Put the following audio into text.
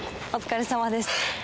お疲れさまです。